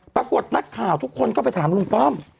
ปรากฏนักข่าวทุกคนก็ไปถามลุงป้อม